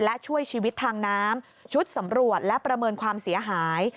และช่วยชีวิตทางน้ำชุดสำรวจและประเมินความเสียหาย